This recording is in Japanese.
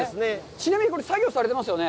ちなみに、これ、作業されてますよね？